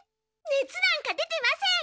ねつなんか出てません。